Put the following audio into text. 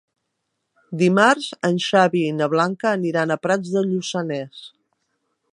Dimarts en Xavi i na Blanca aniran a Prats de Lluçanès.